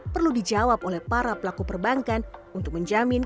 perlu dijawab oleh para pelaku perbankan untuk menjamin